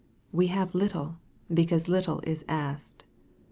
'' We have little," because little is asked.